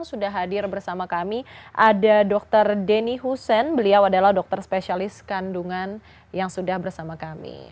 sudah hadir bersama kami ada dr denny husein beliau adalah dokter spesialis kandungan yang sudah bersama kami